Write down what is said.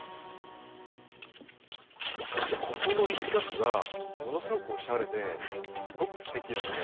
ここの一角がものすごくおしゃれですごくすてきですね。